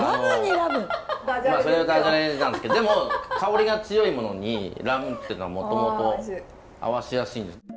それはダジャレなんですけどでも香りが強いものにラムっていうのはもともと合わせやすい。